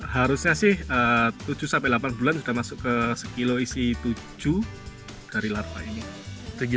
harusnya sih tujuh sampai delapan bulan sudah masuk ke sekilo isi tujuh dari larva ini